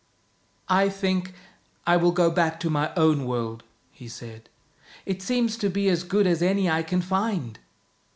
" I think I will go back to my own world," he said. " It seems to be as good as any I can find.